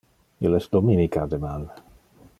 Il es dominica deman.